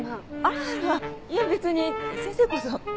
あららいや別に先生こそ。